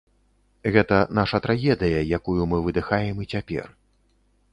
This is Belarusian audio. Гэта наша трагедыя, якую мы выдыхаем і цяпер.